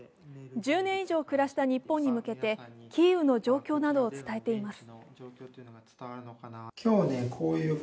１０年以上暮らした日本に向けてキーウの状況などを伝えています。